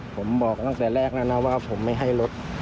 ผมบอกตั้งแต่แรกแล้วนะว่าผมไม่ให้รถ